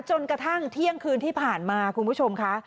จนกระทั่งเที่ยงคืนที่ผ่านมาคุณผู้ชมค่ะ